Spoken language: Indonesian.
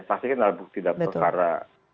saksi kan alat bukti dan perkara